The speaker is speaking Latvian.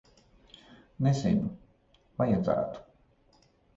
Nezinu. Vajadzētu.